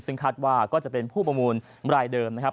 ซึ่งคาดว่าก็จะเป็นผู้ประมูลรายเดิมนะครับ